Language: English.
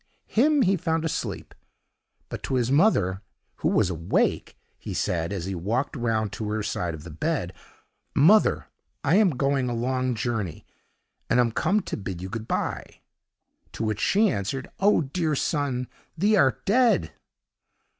Him he found asleep; but to his mother, who was awake, he said, as he walked round to her side of the bed, 'Mother, I am going a long journey, and am come to bid you good by;' to which she answered, 'Oh, dear son, thee art dead!